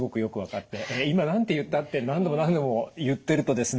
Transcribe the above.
「えっ今何て言った？」って何度も何度も言ってるとですね